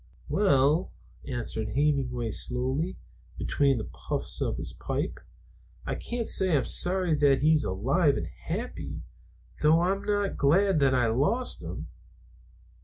"Well," answered Hemenway slowly, between the puffs of his pipe, "I can't say I'm sorry that he's alive and happy, though I'm not glad that I lost him.